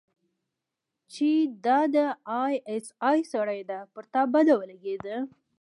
چې دا د آى اس آى سړى دى پر تا بده ولګېده.